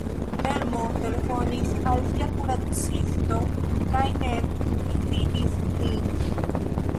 Telmo telefonis al sia kuracisto kaj Ned vizitis lin.